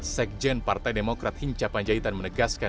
sekjen partai demokrat hinca panjaitan menegaskan